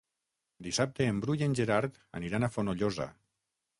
Dissabte en Bru i en Gerard aniran a Fonollosa.